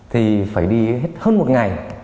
thì phải đi hơn một ngày